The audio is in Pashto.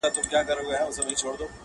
• ته ډېوه را واخله ماتې هم راکه..